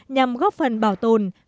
nhằm góp phần bảo tồn